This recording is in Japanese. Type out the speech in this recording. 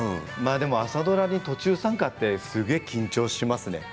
朝ドラに途中参加って緊張しますね。